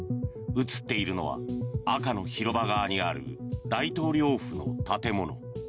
映っているのは赤の広場側にある大統領府の建物。